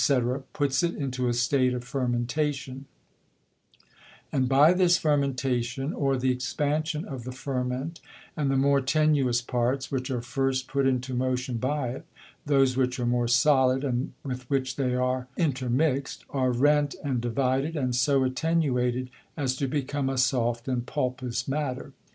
_ puts it into a State of Fermentation; and by this Fermentation, or the Expansion of the Ferment, and the more tenuious Parts, which are first put into motion by it, those which are more solid, and with which they are intermixed, are rent, and divided, and so attenuated, as to become a soft and pulpous matter.